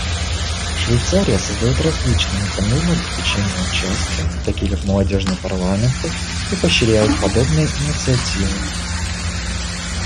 Швейцария создает различные механизмы обеспечения участия, такие как молодежные парламенты, и поощряет подобные инициативы.